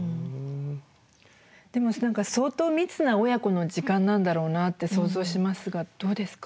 でも相当密な親子の時間なんだろうなって想像しますがどうですか？